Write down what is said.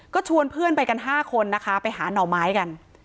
ก็ชวนเพื่อนไปกัน๕คนนะคะไปหาหน่อไม้กัน